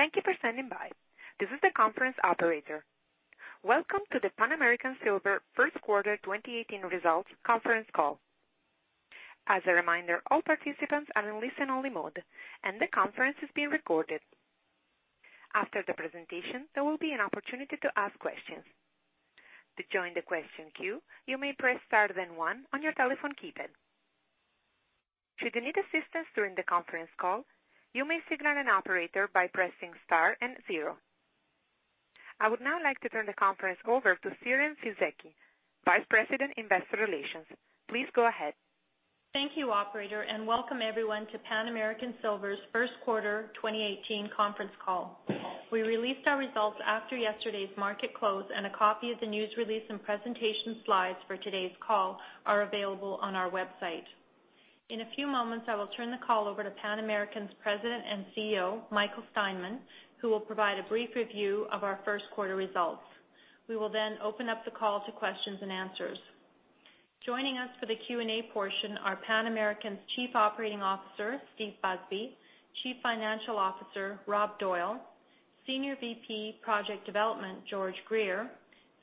Thank you for standing by. This is the conference operator. Welcome to the Pan American Silver First Quarter 2018 Results Conference Call. As a reminder, all participants are in listen-only mode, and the conference is being recorded. After the presentation, there will be an opportunity to ask questions. To join the question queue, you may press star then one on your telephone keypad. Should you need assistance during the conference call, you may signal an operator by pressing star and zero. I would now like to turn the conference over to Siren Fisekci, Vice President, Investor Relations. Please go ahead. Thank you, operator, and welcome everyone to Pan American Silver's First Quarter 2018 Conference Call. We released our results after yesterday's market close, and a copy of the news release and presentation slides for today's call are available on our website. In a few moments, I will turn the call over to Pan American's President and CEO, Michael Steinmann, who will provide a brief review of our first quarter results. We will then open up the call to questions and answers. Joining us for the Q&A portion are Pan American's Chief Operating Officer, Steve Busby, Chief Financial Officer, Rob Doyle, Senior VP Project Development, George Greer,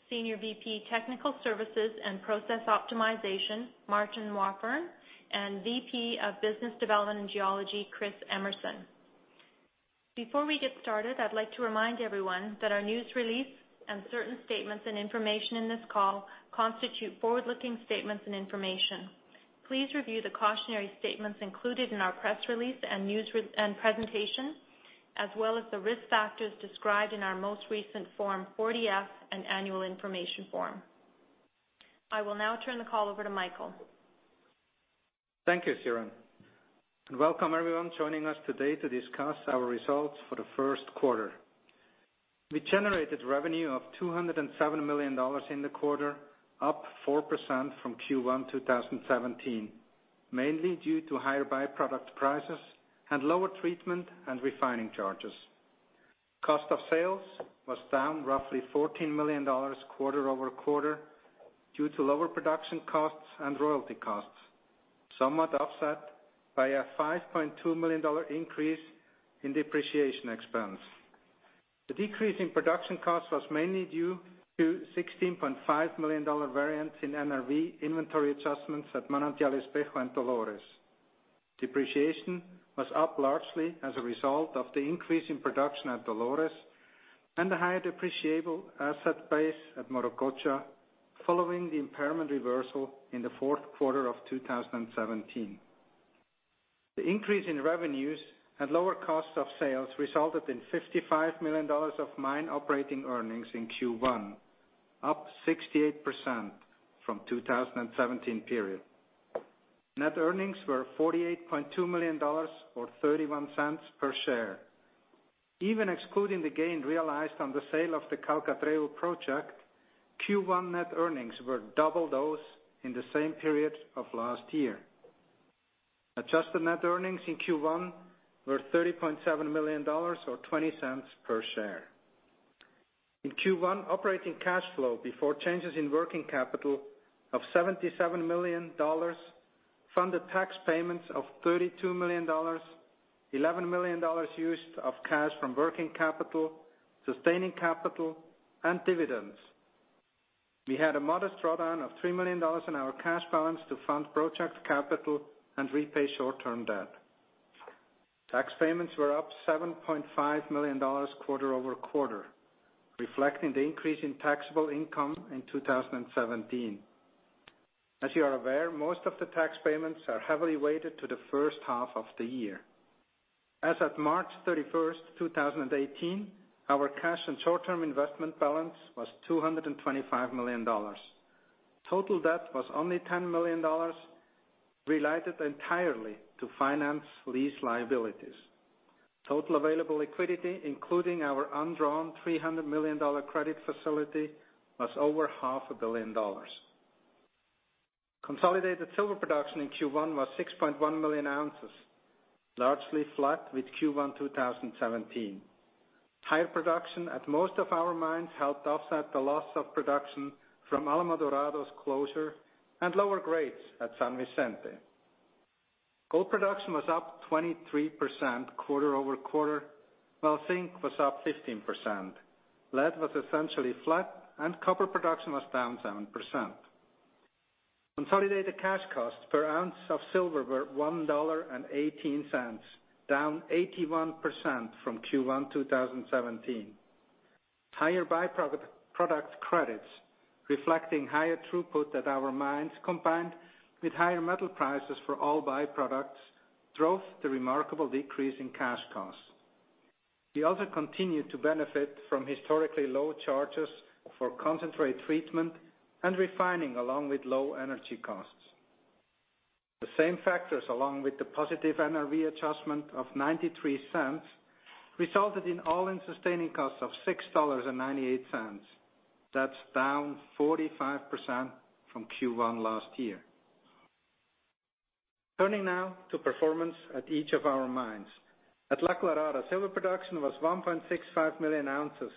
Senior VP Technical Services and Process Optimization, Martin Wafforn, and VP of Business Development and Geology, Chris Emerson. Before we get started, I'd like to remind everyone that our news release and certain statements and information in this call constitute forward-looking statements and information. Please review the cautionary statements included in our press release and presentation, as well as the risk factors described in our most recent Form 40-F and Annual Information Form. I will now turn the call over to Michael. Thank you, Siren. Welcome everyone joining us today to discuss our results for the first quarter. We generated revenue of $207 million in the quarter, up 4% from Q1 2017, mainly due to higher byproduct prices and lower treatment and refining charges. Cost of sales was down roughly $14 million quarter-over-quarter due to lower production costs and royalty costs, somewhat offset by a $5.2 million increase in depreciation expense. The decrease in production costs was mainly due to $16.5 million variance in NRV inventory adjustments at Manantial Espejo and Dolores. Depreciation was up largely as a result of the increase in production at Dolores and the higher depreciable asset base at Morococha following the impairment reversal in the fourth quarter of 2017. The increase in revenues and lower cost of sales resulted in $55 million of mine operating earnings in Q1, up 68% from the 2017 period. Net earnings were $48.2 million or $0.31 per share. Even excluding the gain realized on the sale of the Calcatreu project, Q1 net earnings were double those in the same period of last year. Adjusted net earnings in Q1 were $30.7 million or $0.20 per share. In Q1, operating cash flow before changes in working capital of $77 million funded tax payments of $32 million, $11 million used of cash from working capital, sustaining capital, and dividends. We had a modest drawdown of $3 million in our cash balance to fund project capital and repay short-term debt. Tax payments were up $7.5 million quarter-over-quarter, reflecting the increase in taxable income in 2017. As you are aware, most of the tax payments are heavily weighted to the first half of the year. As of March 31st, 2018, our cash and short-term investment balance was $225 million. Total debt was only $10 million, related entirely to finance lease liabilities. Total available liquidity, including our undrawn $300 million credit facility, was over $500 million. Consolidated silver production in Q1 was 6.1 million ounces, largely flat with Q1 2017. Higher production at most of our mines helped offset the loss of production from Alamo Dorado's closure and lower grades at San Vicente. Gold production was up 23% quarter-over-quarter, while zinc was up 15%. Lead was essentially flat, and copper production was down 7%. Consolidated cash cost per ounce of silver were $1.18, down 81% from Q1 2017. Higher byproduct credits, reflecting higher throughput at our mines combined with higher metal prices for all byproducts, drove the remarkable decrease in cash cost. We also continued to benefit from historically low charges for concentrate treatment and refining, along with low energy costs. The same factors, along with the positive NRV adjustment of $0.93, resulted in all in sustaining costs of $6.98. That's down 45% from Q1 last year. Turning now to performance at each of our mines. At La Colorada, silver production was 1.65 million ounces,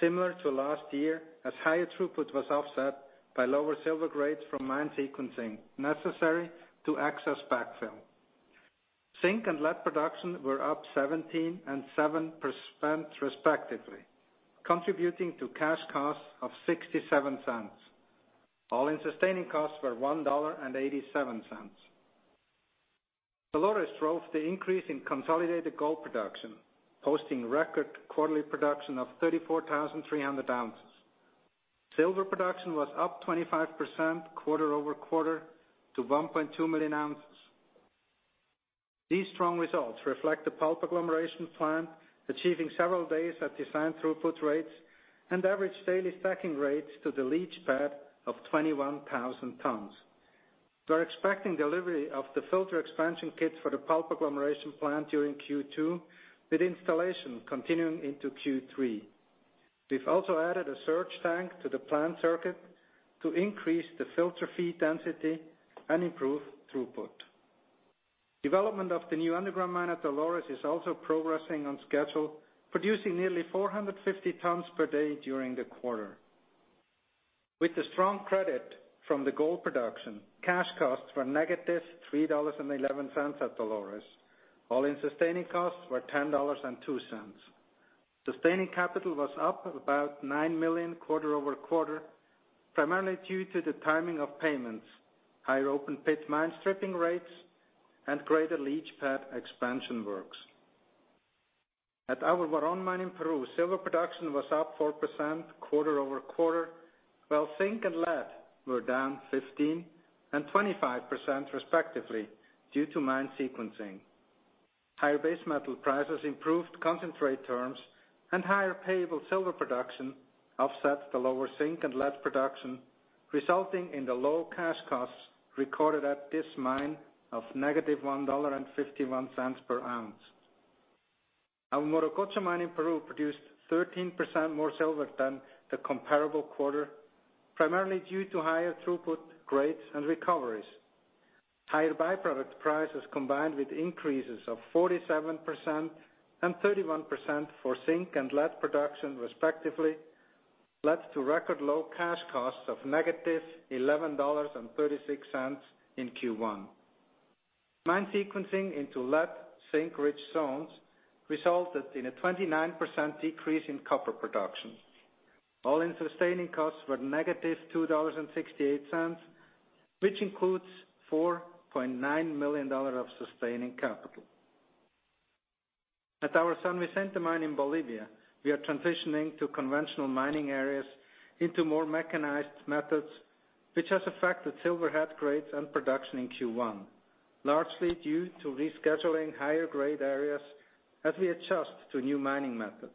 similar to last year, as higher throughput was offset by lower silver grades from mine sequencing necessary to access backfill. Zinc and lead production were up 17% and 7% respectively, contributing to cash costs of $0.67. All in sustaining costs were $1.87. Dolores drove the increase in consolidated gold production, posting record quarterly production of 34,300 ounces. Silver production was up 25% quarter-over-quarter to 1.2 million ounces. These strong results reflect the pulp agglomeration plant achieving several days at designed throughput rates and average daily stacking rates to the leach pad of 21,000 tons. We're expecting delivery of the filter expansion kits for the pulp agglomeration plant during Q2, with installation continuing into Q3. We've also added a surge tank to the plant circuit to increase the filter feed density and improve throughput. Development of the new underground mine at Dolores is also progressing on schedule, producing nearly 450 tons per day during the quarter. With the strong credit from the gold production, cash costs were -$3.11 at Dolores. All-in sustaining costs were $10.02. Sustaining capital was up about $9 million quarter-over-quarter, primarily due to the timing of payments, higher open pit mine-stripping rates, and greater leach pad expansion works. At our Huaron mine in Peru, silver production was up 4% quarter-over-quarter, while zinc and lead were down 15% and 25% respectively due to mine sequencing. Higher base metal prices improved concentrate terms, and higher payable silver production offset the lower zinc and lead production, resulting in the low cash costs recorded at this mine of -$1.51 per ounce. Our Morococha mine in Peru produced 13% more silver than the comparable quarter, primarily due to higher throughput grades and recoveries. Higher byproduct prices combined with increases of 47% and 31% for zinc and lead production respectively led to record low cash costs of -$11.36 in Q1. Mine sequencing into lead-zinc-rich zones resulted in a 29% decrease in copper production. All in sustaining costs were -$2.68, which includes $4.9 million of sustaining capital. At our San Vicente mine in Bolivia, we are transitioning from conventional mining methods into more mechanized methods, which has affected silver head grades and production in Q1, largely due to rescheduling higher grade areas as we adjust to new mining methods.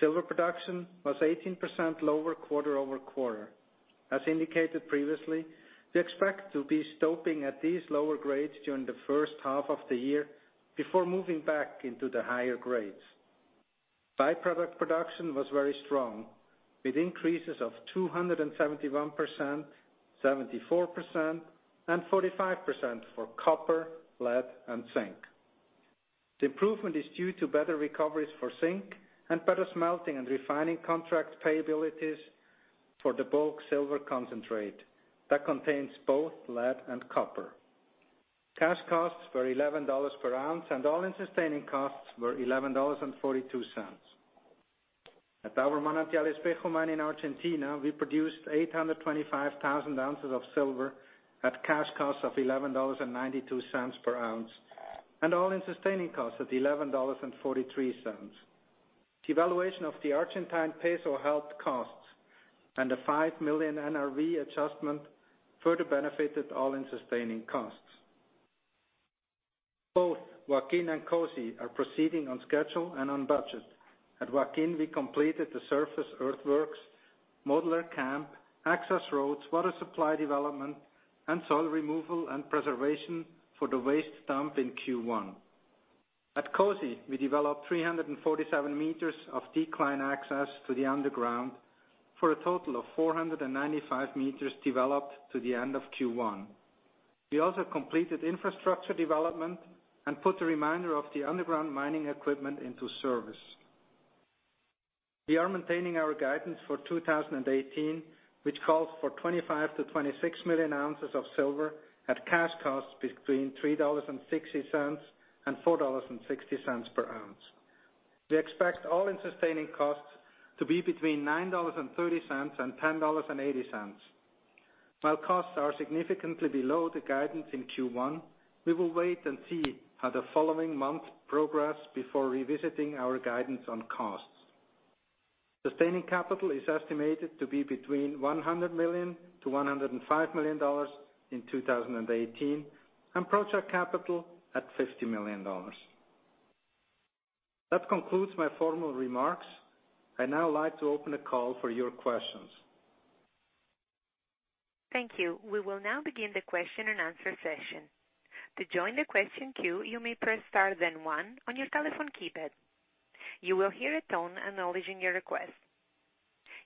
Silver production was 18% lower quarter-over-quarter. As indicated previously, we expect to be stoping at these lower grades during the first half of the year before moving back into the higher grades. Byproduct production was very strong, with increases of 271%, 74%, and 45% for copper, lead, and zinc. The improvement is due to better recoveries for zinc and better smelting and refining contract payabilities for the bulk silver concentrate that contains both lead and copper. Cash costs were $11 per ounce, and all-in sustaining costs were $11.42. At our Manantial Espejo mine in Argentina, we produced 825,000 ounces of silver at cash costs of $11.92 per ounce, and all in sustaining costs at $11.43. The devaluation of the Argentine peso helped costs, and a five million NRV adjustment further benefited all in sustaining costs. Both Joaquin and COSE are proceeding on schedule and on budget. At Joaquin, we completed the surface earthworks, modular camp, access roads, water supply development, and soil removal and preservation for the waste dump in Q1. At COSE, we developed 347 meters of decline access to the underground for a total of 495 meters developed to the end of Q1. We also completed infrastructure development and put the remainder of the underground mining equipment into service. We are maintaining our guidance for 2018, which calls for 25-26 million ounces of silver at cash costs between $3.60 and $4.60 per ounce. We expect All-in Sustaining Costs to be between $9.30 and $10.80. While costs are significantly below the guidance in Q1, we will wait and see how the following month progresses before revisiting our guidance on costs. Sustaining capital is estimated to be between $100 million to $105 million in 2018, and project capital at $50 million. That concludes my formal remarks. I now like to open a call for your questions. Thank you. We will now begin the question and answer session. To join the question queue, you may press star then one on your telephone keypad. You will hear a tone acknowledging your request.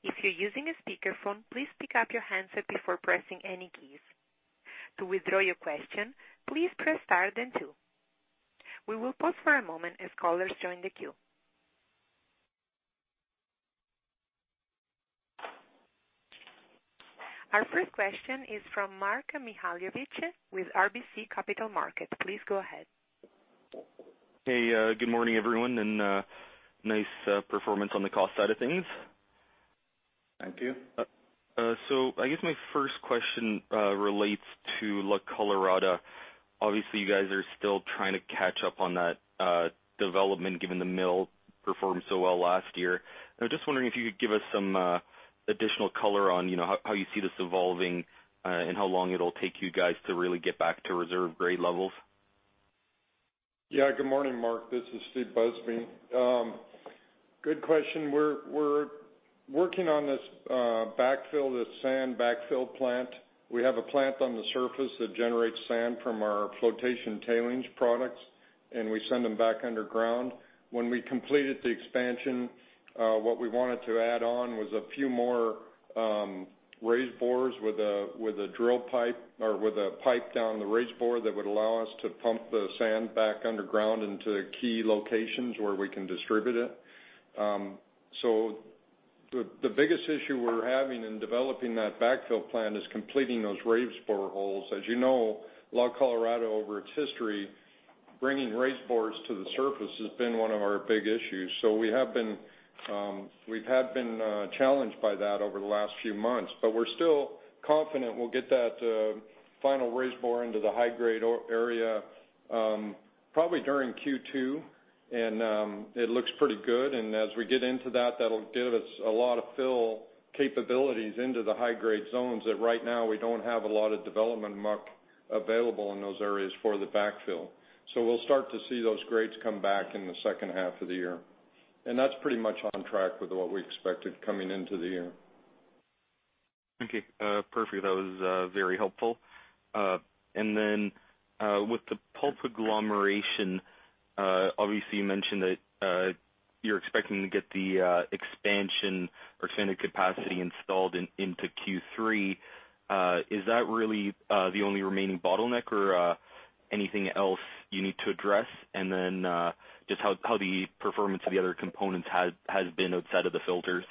If you're using a speakerphone, please pick up your handset before pressing any keys. To withdraw your question, please press star then two. We will pause for a moment as callers join the queue. Our first question is from Mark Mihaljevic with RBC Capital Markets. Please go ahead. Hey, good morning, everyone, and nice performance on the cost side of things. Thank you. I guess my first question relates to La Colorada. Obviously, you guys are still trying to catch up on that development given the mill performed so well last year. I was just wondering if you could give us some additional color on how you see this evolving and how long it'll take you guys to really get back to reserve-grade levels. Yeah, good morning, Mark. This is Steve Busby. Good question. We're working on this backfill, this sand backfill plant. We have a plant on the surface that generates sand from our flotation tailings products, and we send them back underground. When we completed the expansion, what we wanted to add on was a few more raise bores with a drill pipe or with a pipe down the raise bore that would allow us to pump the sand back underground into key locations where we can distribute it. So the biggest issue we're having in developing that backfill plant is completing those raise boreholes. As you know, La Colorada, over its history, bringing raise bores to the surface has been one of our big issues. We have been challenged by that over the last few months, but we're still confident we'll get that final raise bore into the high-grade area probably during Q2, and it looks pretty good. And as we get into that, that'll give us a lot of fill capabilities into the high-grade zones that right now we don't have a lot of development muck available in those areas for the backfill. So we'll start to see those grades come back in the second half of the year. And that's pretty much on track with what we expected coming into the year. Thank you. Perfect. That was very helpful. And then with the pulp agglomeration, obviously, you mentioned that you're expecting to get the expansion or expanded capacity installed into Q3. Is that really the only remaining bottleneck or anything else you need to address? And then just how the performance of the other components has been outside of the filters?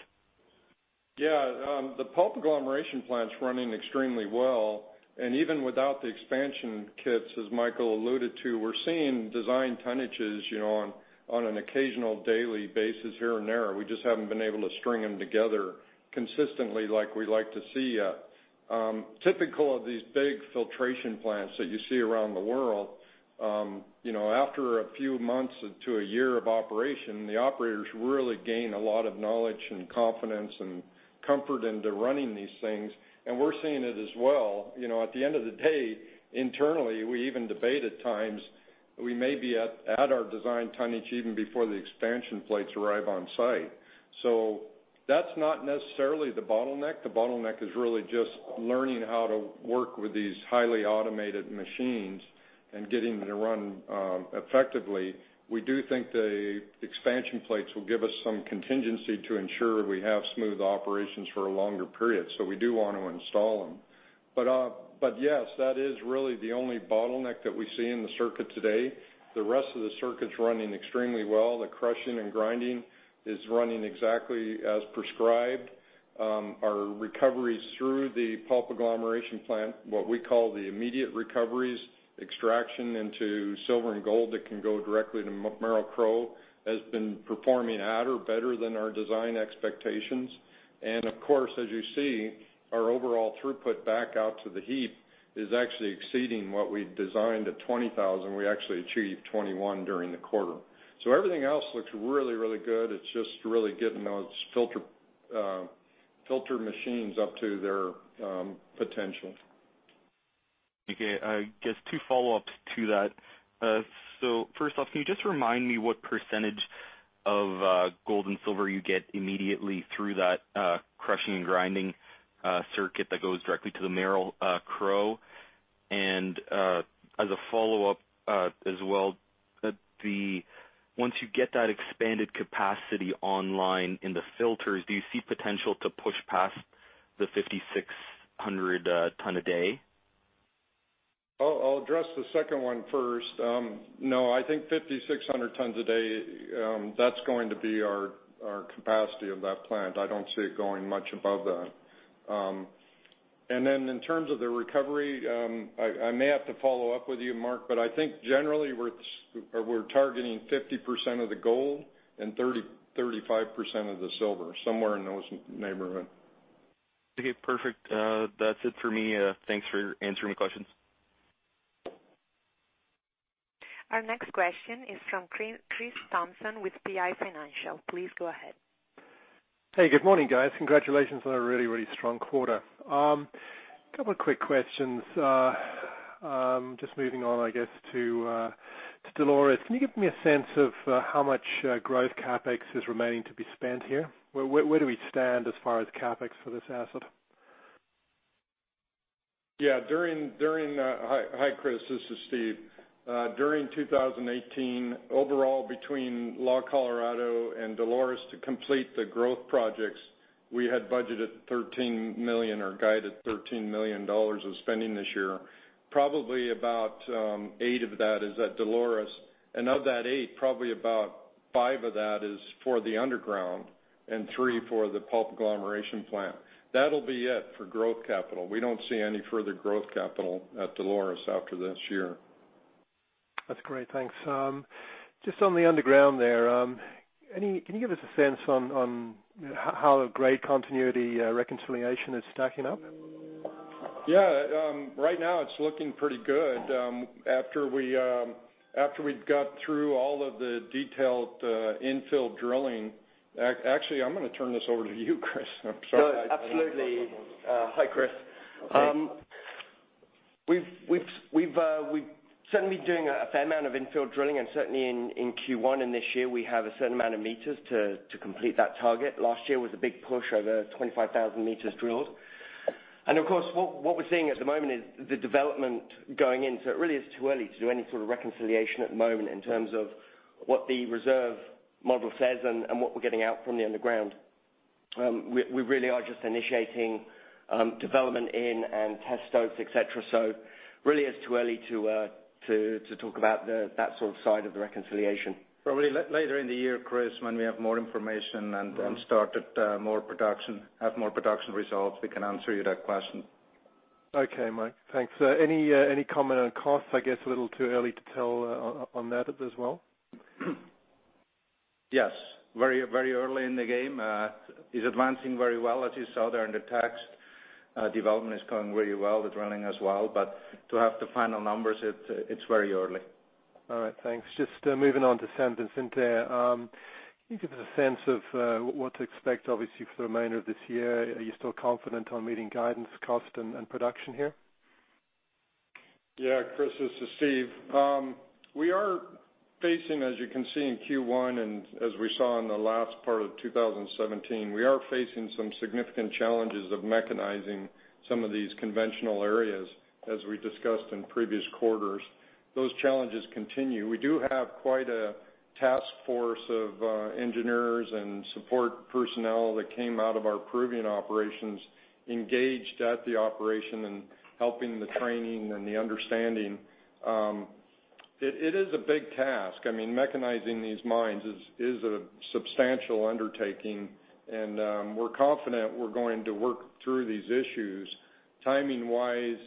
Yeah, the pulp agglomeration plant's running extremely well. And even without the expansion kits, as Michael alluded to, we're seeing designed tonnages on an occasional daily basis here and there. We just haven't been able to string them together consistently like we'd like to see. Typical of these big filtration plants that you see around the world, after a few months to a year of operation, the operators really gain a lot of knowledge and confidence and comfort into running these things. And we're seeing it as well. At the end of the day, internally, we even debate at times that we may be at our designed tonnage even before the expansion plates arrive on site. So that's not necessarily the bottleneck. The bottleneck is really just learning how to work with these highly automated machines and getting them to run effectively. We do think the expansion plates will give us some contingency to ensure we have smooth operations for a longer period. So we do want to install them. But yes, that is really the only bottleneck that we see in the circuit today. The rest of the circuit's running extremely well. The crushing and grinding is running exactly as prescribed. Our recoveries through the pulp agglomeration plant, what we call the immediate recoveries, extraction into silver and gold that can go directly to Merrill-Crowe, has been performing at or better than our design expectations. And of course, as you see, our overall throughput back out to the heap is actually exceeding what we designed at 20,000. We actually achieved 21,000 during the quarter. So everything else looks really, really good. It's just really getting those filter machines up to their potential. Okay. I guess two follow-ups to that. So first off, can you just remind me what percentage of gold and silver you get immediately through that crushing and grinding circuit that goes directly to the Merrill-Crowe? And as a follow-up as well, once you get that expanded capacity online in the filters, do you see potential to push past the 5,600 tons a day? I'll address the second one first. No, I think 5,600 tons a day, that's going to be our capacity of that plant. I don't see it going much above that. And then in terms of the recovery, I may have to follow up with you, Mark, but I think generally we're targeting 50% of the gold and 35% of the silver, somewhere in those neighborhoods. Okay. Perfect. That's it for me. Thanks for answering my questions. Our next question is from Chris Thompson with PI Financial. Please go ahead. Hey, good morning, guys. Congratulations on a really, really strong quarter. A couple of quick questions. Just moving on, I guess, to Dolores. Can you give me a sense of how much growth CapEx is remaining to be spent here? Where do we stand as far as CapEx for this asset? Yeah. Hi, Chris. This is Steve. During 2018, overall, between La Colorada and Dolores, to complete the growth projects, we had budgeted $13 million or guided $13 million of spending this year. Probably about eight of that is at Dolores. And of that eight, probably about five of that is for the underground and three for the pulp agglomeration plant. That'll be it for growth capital. We don't see any further growth capital at Dolores after this year. That's great. Thanks. Just on the underground there, can you give us a sense on how grade continuity reconciliation is stacking up? Yeah. Right now, it's looking pretty good. After we've got through all of the detailed infill drilling actually, I'm going to turn this over to you, Chris. I'm sorry. No, absolutely. Hi, Chris. Hi. We've certainly been doing a fair amount of infill drilling, and certainly in Q1 and this year, we have a certain amount of meters to complete that target. Last year was a big push, over 25,000 meters drilled, and of course, what we're seeing at the moment is the development going into it really is too early to do any sort of reconciliation at the moment in terms of what the reserve model says and what we're getting out from the underground. We really are just initiating development in, and test stopes, etc., so really it's too early to talk about that sort of side of the reconciliation. Probably later in the year, Chris, when we have more information and started more production, have more production results, we can answer you that question. Okay, Mike. Thanks. Any comment on costs? I guess a little too early to tell on that as well? Yes. Very early in the game. It's advancing very well, as you saw there in the text. Development is going really well. The drilling as well. But to have the final numbers, it's very early. All right. Thanks. Just moving on to San Vicente. Can you give us a sense of what to expect, obviously, for the remainder of this year? Are you still confident on meeting guidance, cost, and production here? Yeah, Chris, this is Steve. We are facing, as you can see in Q1 and as we saw in the last part of 2017, we are facing some significant challenges of mechanizing some of these conventional areas, as we discussed in previous quarters. Those challenges continue. We do have quite a task force of engineers and support personnel that came out of our Peruvian operations engaged at the operation and helping the training and the understanding. It is a big task. I mean, mechanizing these mines is a substantial undertaking, and we're confident we're going to work through these issues. Timing-wise,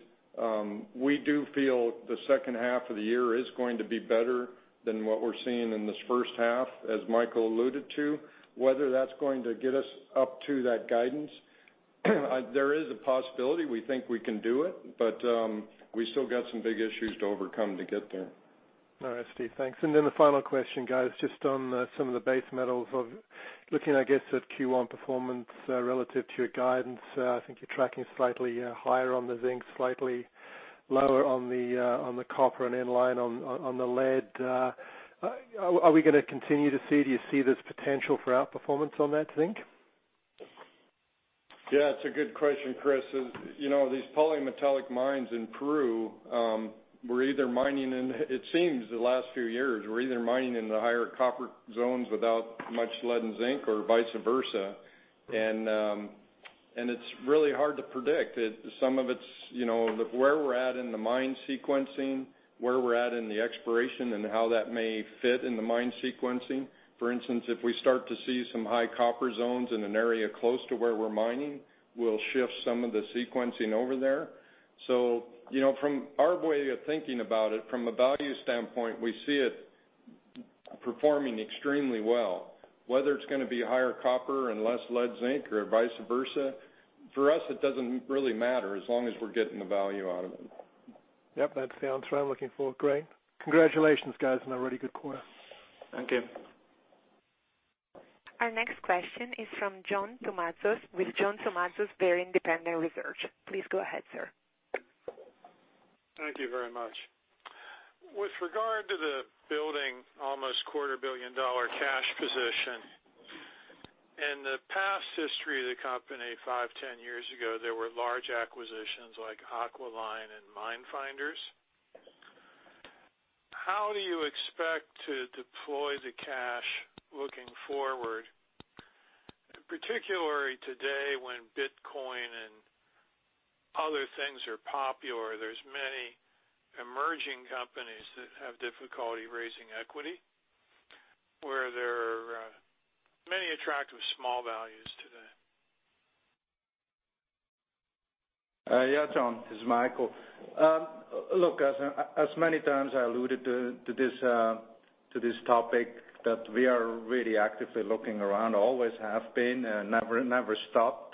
we do feel the second half of the year is going to be better than what we're seeing in this first half, as Michael alluded to. Whether that's going to get us up to that guidance, there is a possibility. We think we can do it, but we still got some big issues to overcome to get there. All right, Steve. Thanks. And then the final question, guys, just on some of the base metals, looking, I guess, at Q1 performance relative to your guidance. I think you're tracking slightly higher on the zinc, slightly lower on the copper and in line on the lead. Are we going to continue to see? Do you see this potential for outperformance on that zinc? Yeah, it's a good question, Chris. These polymetallic mines in Peru, we're either mining in, it seems, the last few years, we're either mining in the higher copper zones without much lead and zinc or vice versa, and it's really hard to predict. Some of it's where we're at in the mine sequencing, where we're at in the exploration, and how that may fit in the mine sequencing. For instance, if we start to see some high copper zones in an area close to where we're mining, we'll shift some of the sequencing over there. So from our way of thinking about it, from a value standpoint, we see it performing extremely well. Whether it's going to be higher copper and less lead zinc or vice versa, for us, it doesn't really matter as long as we're getting the value out of it. Yep, that sounds right. Looking forward. Great. Congratulations, guys, on a really good quarter. Thank you. Our next question is from John Tumazos with John Tumazos Very Independent Research. Please go ahead, sir. Thank you very much. With regard to the building almost $250 million cash position, in the past history of the company, five, 10 years ago, there were large acquisitions like Aquiline and Minefinders. How do you expect to deploy the cash looking forward, particularly today when Bitcoin and other things are popular? There are many emerging companies that have difficulty raising equity where there are many attractive small values today. Yeah, John, this is Michael. Look, as many times I alluded to this topic that we are really actively looking around, always have been, never stopped,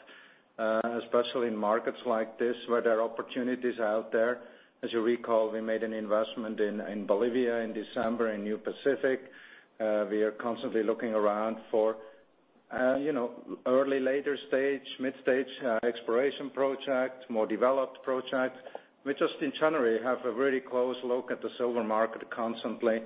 especially in markets like this where there are opportunities out there. As you recall, we made an investment in Bolivia in December in New Pacific. We are constantly looking around for early, later stage, mid-stage exploration projects, more developed projects. We just, in general, have a really close look at the silver market constantly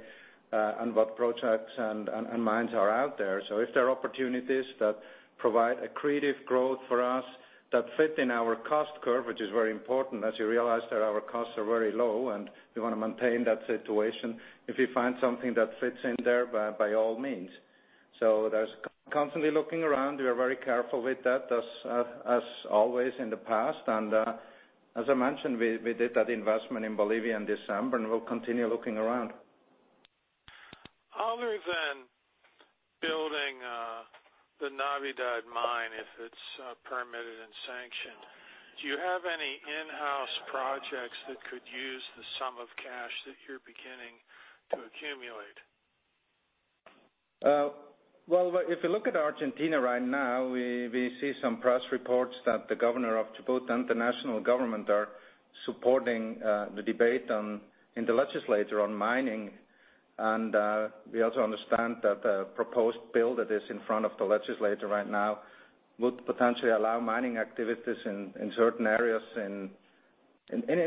and what projects and mines are out there. So if there are opportunities that provide accretive growth for us that fit in our cost curve, which is very important, as you realize that our costs are very low and we want to maintain that situation, if you find something that fits in there, by all means. So there's constantly looking around. We are very careful with that, as always in the past, and as I mentioned, we did that investment in Bolivia in December and we'll continue looking around. Other than building the Navidad mine, if it's permitted and sanctioned, do you have any in-house projects that could use the sum of cash that you're beginning to accumulate? If you look at Argentina right now, we see some press reports that the governor of Chubut, and the national government, are supporting the debate in the legislature on mining. And we also understand that the proposed bill that is in front of the legislature right now would potentially allow mining activities in certain areas in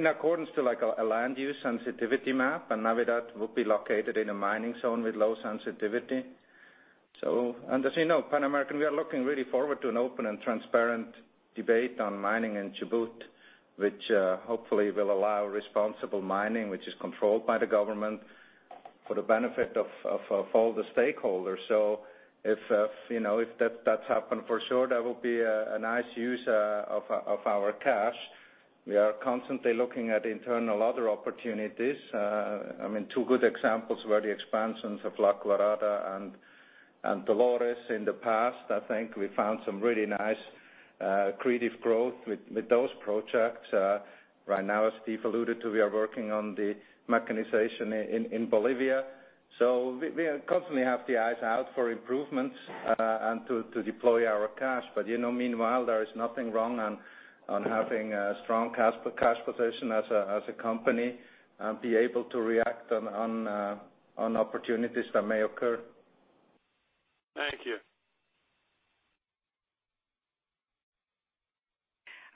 accordance to a land use sensitivity map. And Navidad would be located in a mining zone with low sensitivity. So as you know, Pan American, we are looking really forward to an open and transparent debate on mining in Chubut, which hopefully will allow responsible mining, which is controlled by the government for the benefit of all the stakeholders. So if that's happened, for sure, that will be a nice use of our cash. We are constantly looking at internal other opportunities. I mean, two good examples were the expansions of La Colorada and Dolores in the past. I think we found some really nice accretive growth with those projects. Right now, as Steve alluded to, we are working on the mechanization in Bolivia, so we constantly have the eyes out for improvements and to deploy our cash. But meanwhile, there is nothing wrong on having a strong cash position as a company and be able to react on opportunities that may occur. Thank you.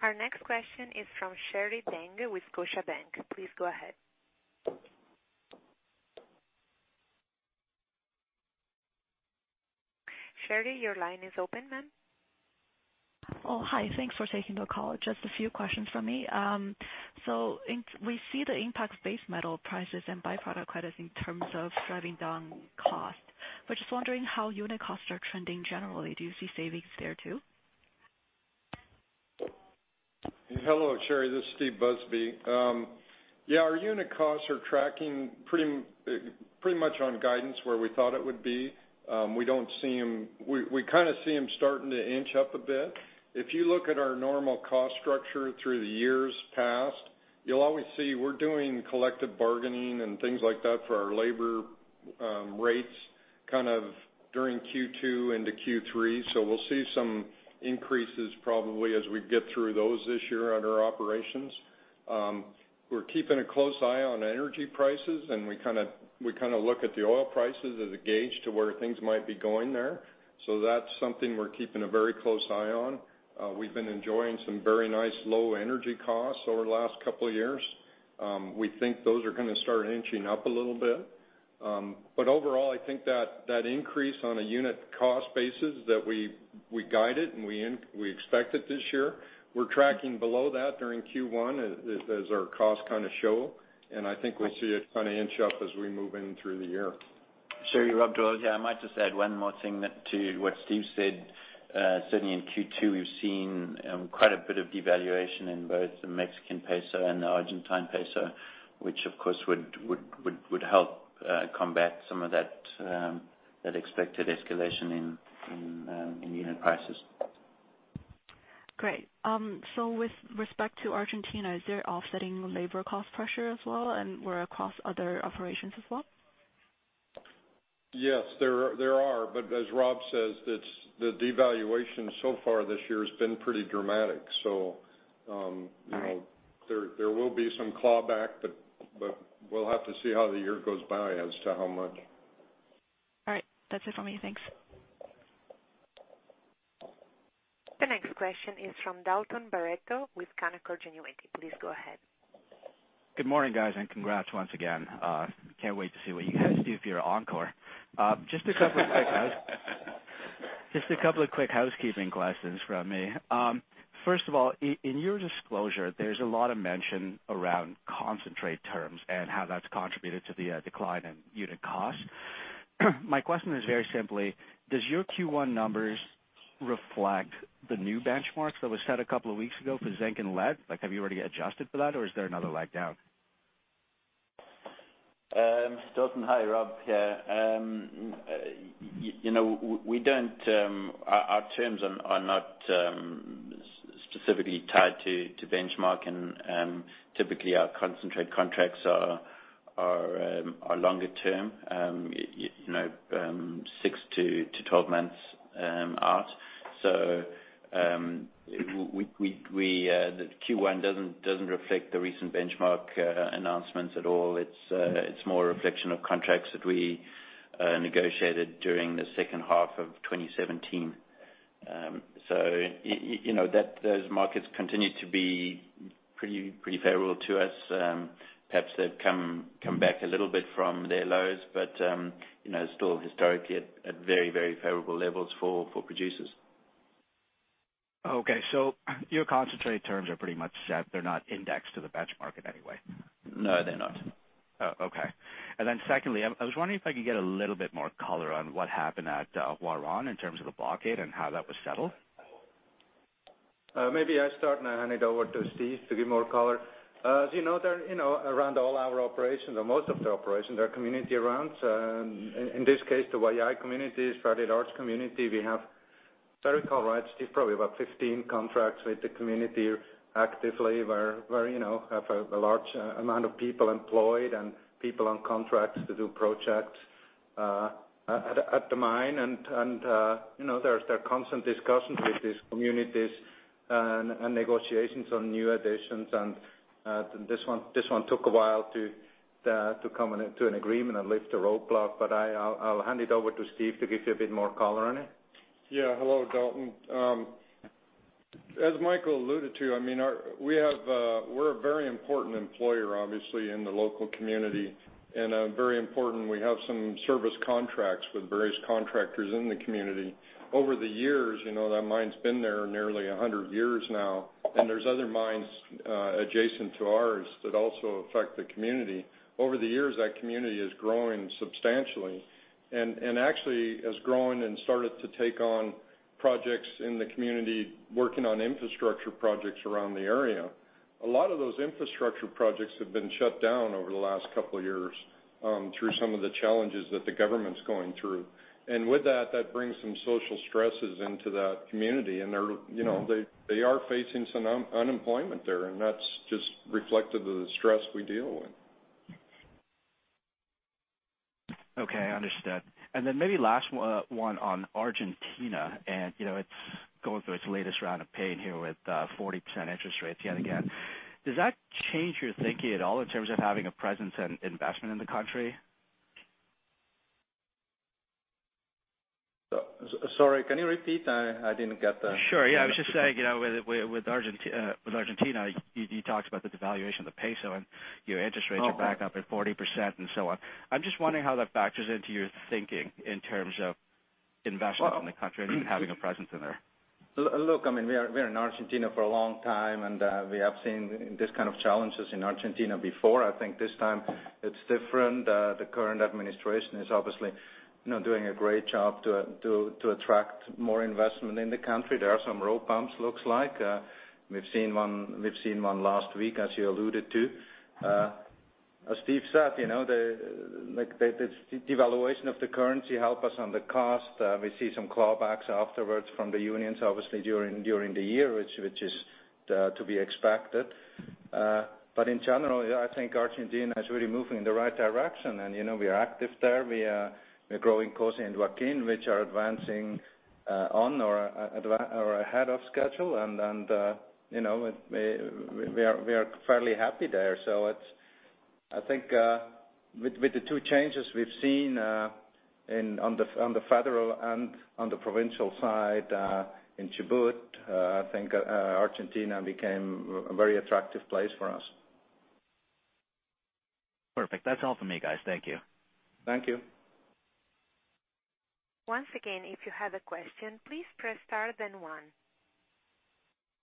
Our next question is from Sherry Banga with Scotiabank. Please go ahead. Sherry, your line is open, ma'am. Oh, hi. Thanks for taking the call. Just a few questions from me. So we see the impact of base metal prices and byproduct credits in terms of driving down costs. We're just wondering how unit costs are trending generally. Do you see savings there too? Hello, Sherry. This is Steve Busby. Yeah, our unit costs are tracking pretty much on guidance where we thought it would be. We kind of see them starting to inch up a bit. If you look at our normal cost structure through the years past, you'll always see we're doing collective bargaining and things like that for our labor rates kind of during Q2 into Q3. So we'll see some increases probably as we get through those this year on our operations. We're keeping a close eye on energy prices, and we kind of look at the oil prices as a gauge to where things might be going there. So that's something we're keeping a very close eye on. We've been enjoying some very nice low energy costs over the last couple of years. We think those are going to start inching up a little bit. But overall, I think that increase on a unit-cost basis that we guided and we expected this year, we're tracking below that during Q1 as our costs kind of show. And I think we'll see it kind of inch up as we move in through the year. Sherry, Rob Doyle's here, I might just add one more thing to what Steve said. Certainly in Q2, we've seen quite a bit of devaluation in both the Mexican peso and the Argentine peso, which, of course, would help combat some of that expected escalation in unit prices. Great. So with respect to Argentina, is there offsetting labor cost pressure as well and across other operations as well? Yes, there are, but as Rob says, the devaluation so far this year has been pretty dramatic, so there will be some clawback, but we'll have to see how the year goes by as to how much. All right. That's it for me. Thanks. The next question is from Dalton Baretto with Canaccord Genuity. Please go ahead. Good morning, guys, and congrats once again. Can't wait to see what you guys do if you're on core. Just a couple of quick housekeeping questions from me. First of all, in your disclosure, there's a lot of mention around concentrate terms and how that's contributed to the decline in unit costs. My question is very simply, does your Q1 numbers reflect the new benchmarks that were set a couple of weeks ago for zinc and lead? Have you already adjusted for that, or is there another leg down? Dalton, hi, Rob here. Our terms are not specifically tied to benchmark, and typically our concentrate contracts are longer term, six to 12 months out. So the Q1 doesn't reflect the recent benchmark announcements at all. It's more a reflection of contracts that we negotiated during the second half of 2017. So those markets continue to be pretty favorable to us. Perhaps they've come back a little bit from their lows, but still historically at very, very favorable levels for producers. Okay. So your concentrate terms are pretty much set. They're not indexed to the benchmark in any way? No, they're not. Oh, okay. And then secondly, I was wondering if I could get a little bit more color on what happened at Huaron in terms of the blockade and how that was settled. Maybe I start and I hand it over to Steve to give more color. As you know, around all our operations, or most of the operations, there are communities around. In this case, the Huayllay community is a fairly large community. We have, if I recall right, Steve, probably about 15 contracts with the community actively. We have a large amount of people employed and people on contracts to do projects at the mine, and there are constant discussions with these communities and negotiations on new additions, and this one took a while to come to an agreement and lift the roadblock, but I'll hand it over to Steve to give you a bit more color on it. Yeah. Hello, Dalton. As Michael alluded to, I mean, we're a very important employer, obviously, in the local community. And very important, we have some service contracts with various contractors in the community. Over the years, that mine's been there nearly 100 years now. And there's other mines adjacent to ours that also affect the community. Over the years, that community has grown substantially and actually has grown and started to take on projects in the community, working on infrastructure projects around the area. A lot of those infrastructure projects have been shut down over the last couple of years through some of the challenges that the government's going through. And with that, that brings some social stresses into that community. And they are facing some unemployment there, and that's just reflective of the stress we deal with. Okay. I understood, and then maybe last one on Argentina, and it's going through its latest round of pain here with 40% interest rates yet again. Does that change your thinking at all in terms of having a presence and investment in the country? Sorry, can you repeat? I didn't get that. Sure. Yeah. I was just saying with Argentina, you talked about the devaluation of the peso and your interest rates are back up at 40% and so on. I'm just wondering how that factors into your thinking in terms of investment in the country and even having a presence in there? Look, I mean, we're in Argentina for a long time, and we have seen this kind of challenges in Argentina before. I think this time it's different. The current administration is obviously doing a great job to attract more investment in the country. There are some road bumps, looks like. We've seen one last week, as you alluded to. As Steve said, the devaluation of the currency helped us on the cost. We see some clawbacks afterwards from the unions, obviously, during the year, which is to be expected. But in general, I think Argentina is really moving in the right direction. And we are active there. We are growing COSE and Joaquin, which are advancing on or ahead of schedule. And we are fairly happy there. So I think with the two changes we've seen on the federal and on the provincial side in Chubut, I think Argentina became a very attractive place for us. Perfect. That's all for me, guys. Thank you. Thank you. Once again, if you have a question, please press star then one.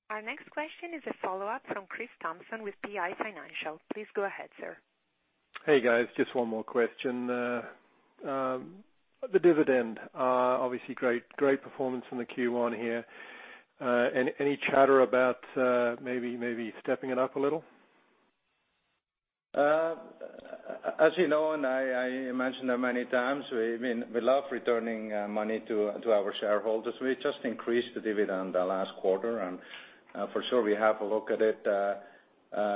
Our next question is a follow-up from Chris Thompson with PI Financial. Please go ahead, sir. Hey, guys. Just one more question. The dividend, obviously, great performance in the Q1 here. Any chatter about maybe stepping it up a little? As you know, and I mentioned that many times, we love returning money to our shareholders. We just increased the dividend the last quarter, and for sure, we have a look at it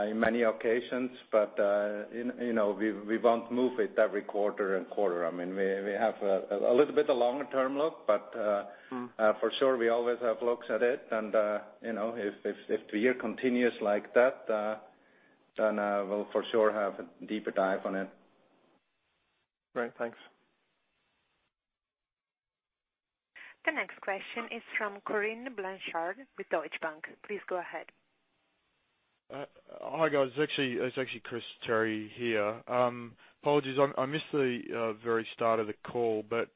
in many occasions, but we won't move it every quarter-and-quarter. I mean, we have a little bit of longer-term look, but for sure, we always have looks at it, and if the year continues like that, then we'll for sure have a deeper dive on it. Great. Thanks. The next question is from Corinne Blanchard with Deutsche Bank. Please go ahead. Hi, guys. It's actually Chris Terry here. Apologies. I missed the very start of the call, but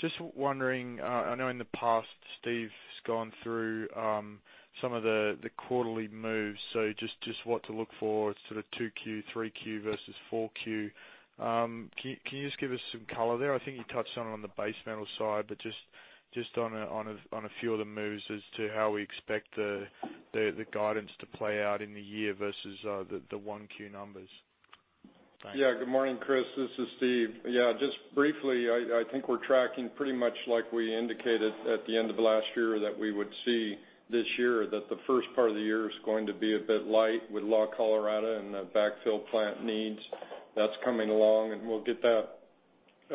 just wondering, I know in the past, Steve's gone through some of the quarterly moves. So just what to look for, sort of 2Q, 3Q versus 4Q. Can you just give us some color there? I think you touched on it on the base metal side, but just on a few of the moves as to how we expect the guidance to play out in the year versus the 1Q numbers. Yeah. Good morning, Chris. This is Steve. Yeah. Just briefly, I think we're tracking pretty much like we indicated at the end of last year that we would see this year, that the first part of the year is going to be a bit light with La Colorada and the backfill plant needs that's coming along. And we'll get that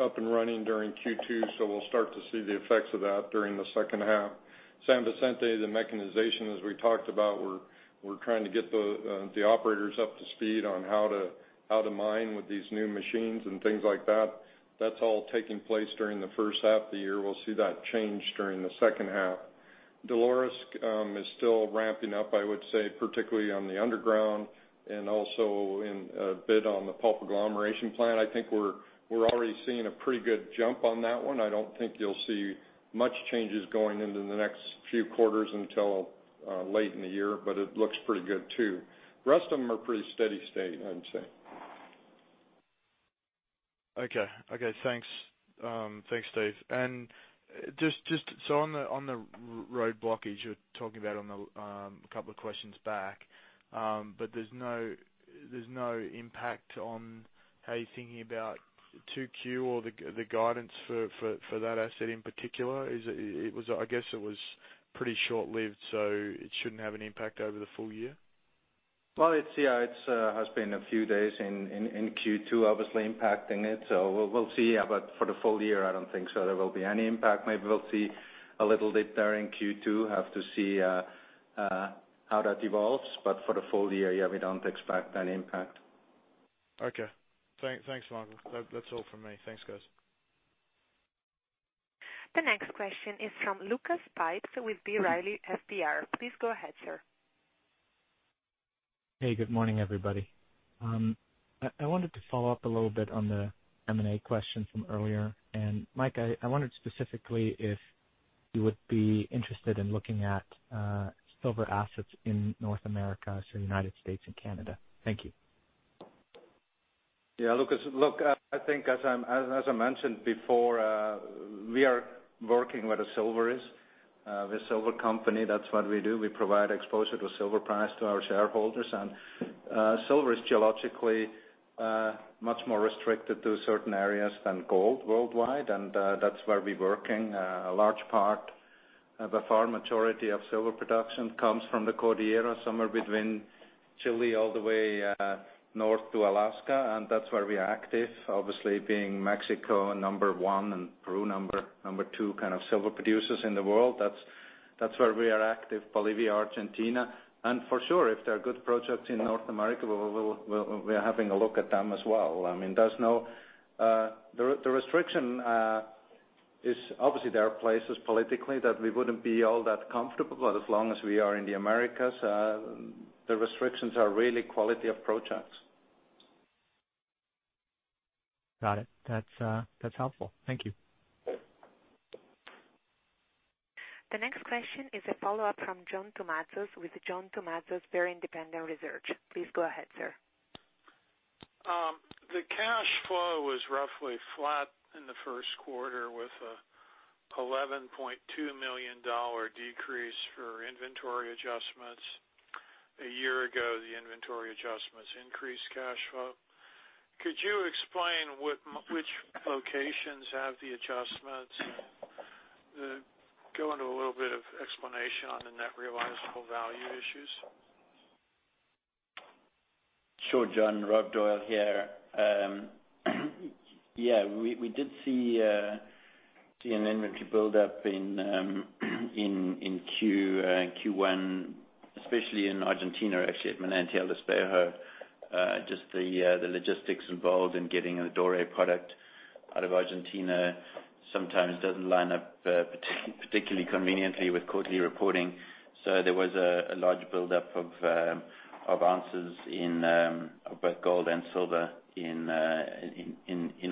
up and running during Q2. So we'll start to see the effects of that during the second half. San Vicente, the mechanization, as we talked about, we're trying to get the operators up to speed on how to mine with these new machines and things like that. That's all taking place during the first half of the year. We'll see that change during the second half. Dolores is still ramping up, I would say, particularly on the underground and also a bit on the pulp agglomeration plant. I think we're already seeing a pretty good jump on that one. I don't think you'll see much changes going into the next few quarters until late in the year, but it looks pretty good too. The rest of them are pretty steady state, I'd say. Okay. Thanks, Steve, and so on the road blockade, you're talking about on a couple of questions back, but there's no impact on how you're thinking about 2Q or the guidance for that asset in particular. I guess it was pretty short-lived, so it shouldn't have an impact over the full year? Well, yeah, it has been a few days in Q2, obviously impacting it. So we'll see. But for the full year, I don't think so there will be any impact. Maybe we'll see a little dip there in Q2. Have to see how that evolves. But for the full year, yeah, we don't expect any impact. Okay. Thanks, Michael. That's all from me. Thanks, guys. The next question is from Lucas Pipes with B. Riley FBR. Please go ahead, sir. Hey, good morning, everybody. I wanted to follow up a little bit on the M&A question from earlier. And Mike, I wondered specifically if you would be interested in looking at silver assets in North America, so United States and Canada. Thank you. Yeah. Look, I think, as I mentioned before, we are working with silver company. That's what we do. We provide exposure to silver price to our shareholders. And silver is geologically much more restricted to certain areas than gold worldwide. And that's where we're working. A large part of the far majority of silver production comes from the Cordillera, somewhere between Chile all the way north to Alaska. And that's where we're active. Obviously, being Mexico number one and Peru number two, kind of silver producers in the world, that's where we are active. Bolivia, Argentina. And for sure, if there are good projects in North America, we're having a look at them as well. I mean, there's no. The restriction is obviously there are places politically that we wouldn't be all that comfortable. But as long as we are in the Americas, the restrictions are really quality of projects. Got it. That's helpful. Thank you. The next question is a follow-up from John Tumazos with John Tumazos Very Independent Research. Please go ahead, sir. The cash flow was roughly flat in the first quarter with an $11.2 million decrease for inventory adjustments. A year ago, the inventory adjustments increased cash flow. Could you explain which locations have the adjustments and go into a little bit of explanation on the net realizable value issues? Sure, John. Rob Doyle here. Yeah. We did see an inventory buildup in Q1, especially in Argentina, actually, at Manantial Espejo. Just the logistics involved in getting the doré product out of Argentina sometimes doesn't line up particularly conveniently with quarterly reporting. So there was a large buildup of ounces of both gold and silver in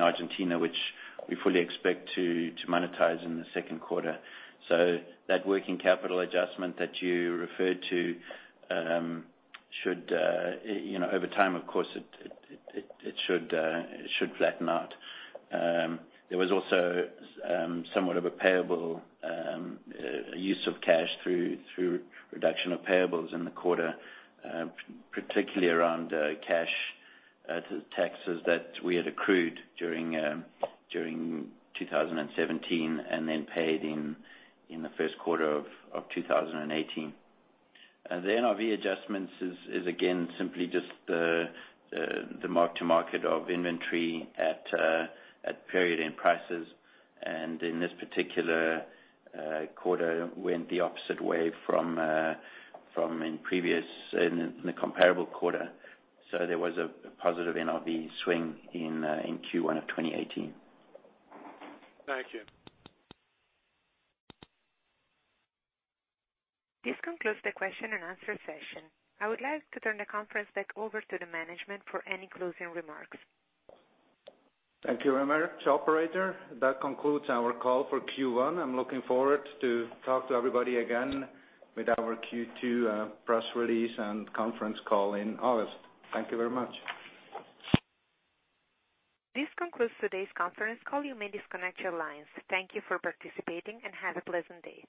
Argentina, which we fully expect to monetize in the second quarter. So that working capital adjustment that you referred to should, over time, of course, it should flatten out. There was also somewhat of a payable use of cash through reduction of payables in the quarter, particularly around cash taxes that we had accrued during 2017 and then paid in the first quarter of 2018. The NRV adjustments is, again, simply just the mark-to-market of inventory at period-end prices. In this particular quarter, it went the opposite way from in the comparable quarter. There was a positive NRV swing in Q1 of 2018. Thank you. This concludes the question-and-answer session. I would like to turn the conference back over to the management for any closing remarks. Thank you very much, operator. That concludes our call for Q1. I'm looking forward to talk to everybody again with our Q2 press release and conference call in August. Thank you very much. This concludes today's conference call. You may disconnect your lines. Thank you for participating and have a pleasant day.